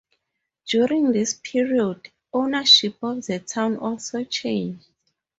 During this period ownership of the town also changed.